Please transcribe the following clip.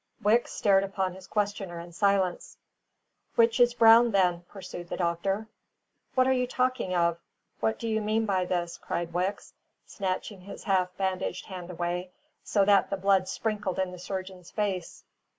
Wicks stared upon his questioner in silence. "Which is Brown, then?" pursued the doctor. "What are you talking of? what do you mean by this?" cried Wicks, snatching his half bandaged hand away, so that the blood sprinkled in the surgeon's face.